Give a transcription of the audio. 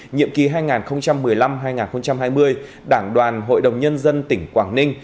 nhiệm kỳ hai nghìn một mươi năm hai nghìn hai mươi đảng đoàn hội đồng nhân dân tỉnh quảng ninh